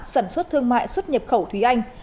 sản xuất thương mại xuất nhập khẩu thúy anh